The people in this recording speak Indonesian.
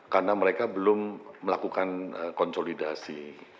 karena mereka belum melakukan konsolidasi